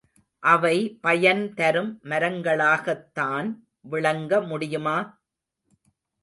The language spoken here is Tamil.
அவை பயன்தரும் மரங்களாகத்தான் விளங்க முடியுமா?